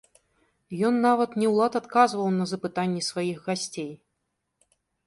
Ён нават не ў лад адказваў на запытанні сваіх гасцей.